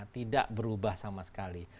tidak berubah sama sekali